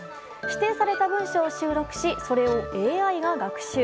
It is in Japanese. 指定された文章を収録しそれをＡＩが学習。